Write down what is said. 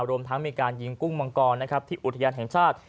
รวมทั้งมีการยิงกุ้งมังกรที่อุทยานแห่งชาติ